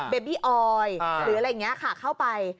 เบบี้ออยหรืออะไรอย่างนี้ค่ะเข้าไป